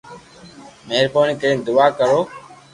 مھربوني ڪرين دعا ڪرو